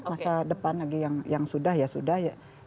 masa depan lagi yang sudah ya sudah ya